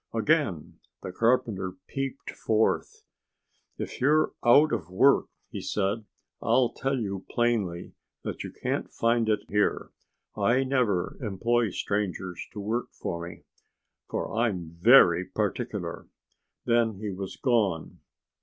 Again the carpenter peeped forth. "If you're out of work," he said, "I'll tell you plainly that you can't find it here. I never employ strangers to work for me, for I'm very particular." Then he was gone.